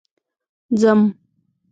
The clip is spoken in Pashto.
ځم